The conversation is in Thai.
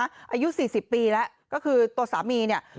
อายุ๔๐ปีแล้วก็คือตัวสามีเนี่ย